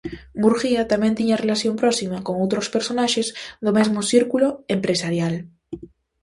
Murguía tamén tiña relación próxima con outros personaxes do mesmo círculo empresarial.